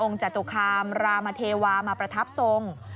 จตุคามรามเทวามาประทับทรง